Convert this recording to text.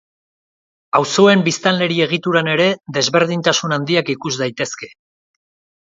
Auzoen biztanleri egituran ere, desberdintasun handiak ikus daitezke.